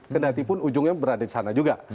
kendatipun ujungnya berada di sana juga